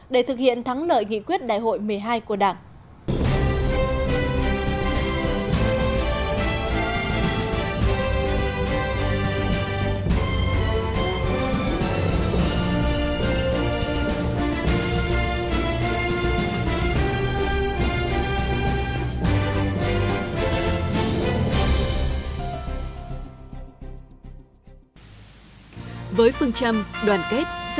để thực hiện thắng lợi nghị quyết đại hội một mươi hai của đảng